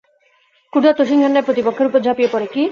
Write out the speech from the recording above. ক্ষুধার্ত সিংহের ন্যায় প্রতিপক্ষের উপর ঝাঁপিয়ে পড়ে।